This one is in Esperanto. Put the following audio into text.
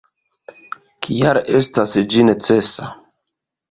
Kial estas ĝi necesa.